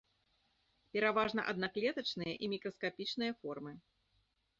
Пераважна аднаклетачныя і мікраскапічныя формы.